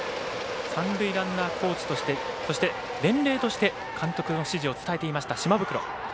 三塁ランナーコーチとしてそして、伝令として監督の指示を伝えていました島袋。